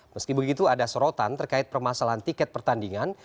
meski begitu ada sorotan terkait permasalahan tiket pertandingan